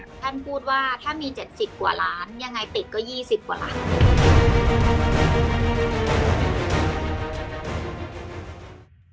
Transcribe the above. ท่านพูดว่าถ้ามี๗๐กว่าล้านยังไงติดก็๒๐กว่าล้าน